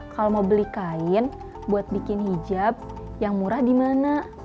kalau mau beli kain buat bikin hijab yang murah di mana